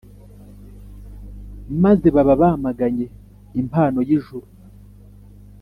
maze baba bamaganye impano y’ijuru